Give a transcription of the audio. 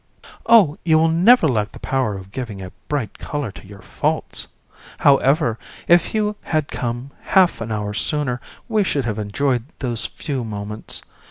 JU. Oh! you will never lack the power of giving a bright colour to your faults. However, if you had come half an hour sooner, we should have enjoyed those few moments.